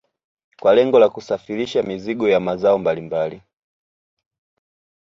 Kwa lengo la kusafirisha mizigo ya mazao mbalimbali